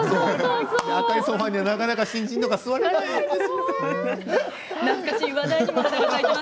赤いソファーは、なかなか新人とか座れないんですよね。